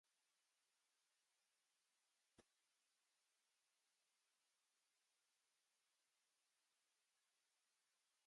She has served on the branch executive committees of multiple wards and branches.